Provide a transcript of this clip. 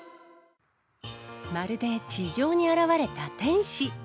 まるで地上に現れた天使。